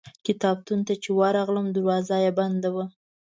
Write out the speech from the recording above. کتابتون ته چې ورغلم دروازه یې بنده وه.